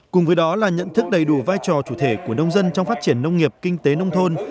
cùng với đó là nhận thức đầy đủ vai trò chủ thể của nông dân trong phát triển nông nghiệp kinh tế nông thôn